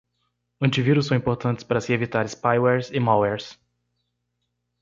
Antivírus são importantes para se evitar spywares e malwares